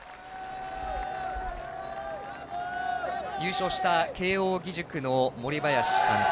優勝した慶応義塾の森林監督